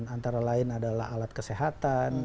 antara lain adalah alat kesehatan